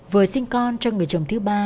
vừa sinh con cho người chồng thứ ba